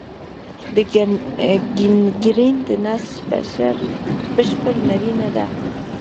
د ګینګرین د نسج بشپړ مړینه ده.